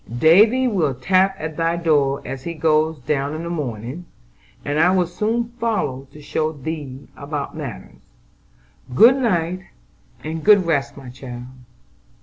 "Davy will tap at thy door as he goes down in the morning, and I will soon follow to show thee about matters. Good night, and good rest, my child."